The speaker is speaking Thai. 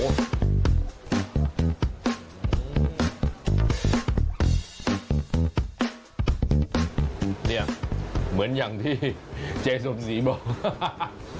นี่เหมือนอย่างที่เจสุนสีบอก